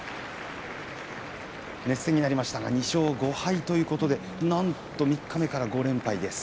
熱戦になりましたが豊山２勝５敗ということでなんと三日目から５連敗です。